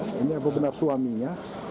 jadi ini apa benar suaminya